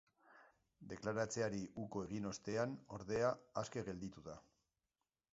Deklaratzeari uko egin ostean, ordea, aske gelditu da.